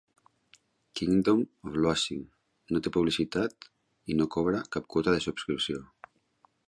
"Kingdom of Loathing" no té publicitat i no cobra cap quota de subscripció.